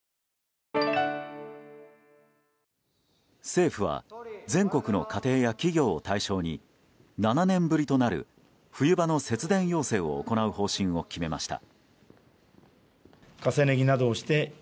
政府は全国の家庭や企業を対象に７年ぶりとなる冬場の節電要請をする方針を決めました。